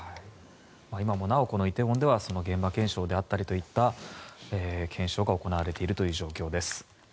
今もなおイテウォンでは現場検証であったりとか検証が行われているという状況です。